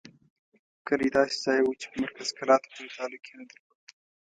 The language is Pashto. کلی داسې ځای وو چې په مرکز کلات پورې تعلق یې نه درلود.